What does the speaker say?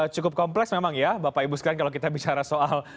cukup kompleks memang ya bapak ibu sekalian kalau kita bicara soal